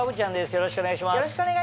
よろしくお願いします。